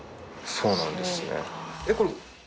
そうなんですね。